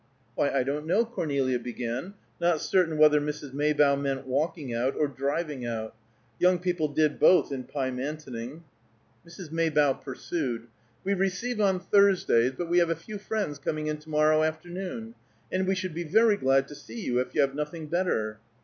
"Why, I don't know," Cornelia began, not certain whether Mrs. Maybough meant walking out or driving out; young people did both in Pymantoning. Mrs. Maybough pursued: "We receive on Thursdays, but we have a few friends coming in to morrow afternoon, and we should be very glad to see you, if you have nothing better."